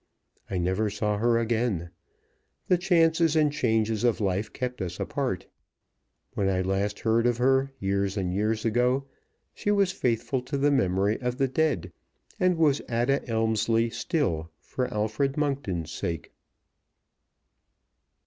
I never saw her again. The chances and changes of life kept us apart. When I last heard of her, years and years ago, she was faithful to the memory of the dead, and was Ada Elmslie still for Alfred Monkton's sake.